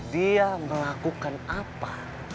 dia melakukan apa